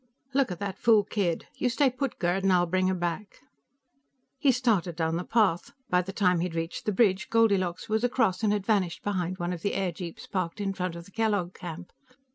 "Look at that fool kid; you stay put, Gerd, and I'll bring her back." He started down the path; by the time he had reached the bridge, Goldilocks was across and had vanished behind one of the airjeeps parked in front of the Kellogg camp.